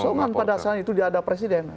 kesoman pada saat itu dia ada presiden